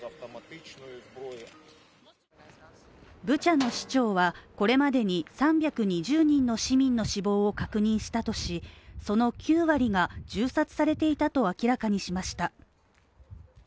ブチャの市長は、これまでに３２０人の市民の死亡を確認したとしその９割が銃殺されていたと明らかにしました。